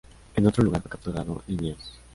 En otro lugar fue capturado Liniers.